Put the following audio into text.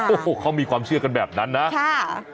โอ้โหเขามีความเชื่อกันแบบนั้นนะค่ะ